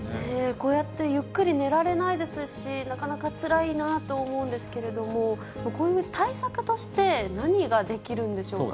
こうやって、ゆっくり寝られないですし、なかなかつらいなと思うんですけれども、こういう対策として、何ができるんでしょうか。